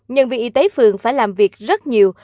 nhân viên y tế phường phải làm việc rất nhiều